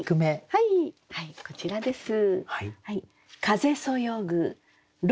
はいこちらです。